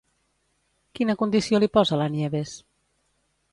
Quina condició li posa la Nieves?